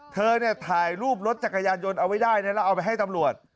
เธอเนี่ยถ่ายรูปรถจักรยานยนต์เอาไว้ได้นะแล้วเอาไปให้ตำรวจ